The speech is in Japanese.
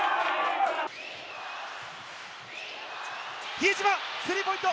比江島、スリーポイント！